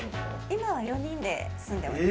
今は４人で住んでおります。